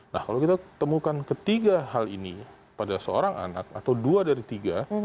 nah kalau kita temukan ketiga hal ini pada seorang anak atau dua dari tiga